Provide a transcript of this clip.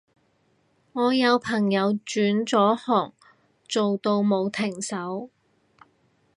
我有朋友轉咗行做到冇停手